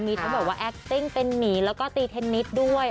มีทั้งแบบว่าแอคติ้งเป็นหมีแล้วก็ตีเทนนิสด้วย